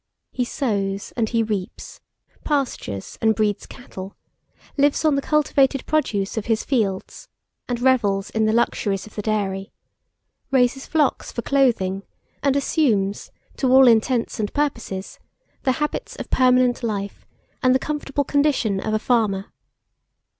He sows and he reaps, pastures and breeds cattle, lives on the cultivated produce of his fields, and revels in the luxuries of the dairy; raises flocks for clothing, and assumes, to all intents and purposes, the habits of permanent life and the comfortable condition of a farmer.